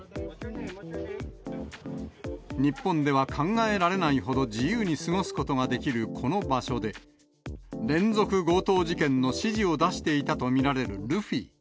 日本では考えられないほど自由に過ごすことができるこの場所で、連続強盗事件の指示を出していたと見られるルフィ。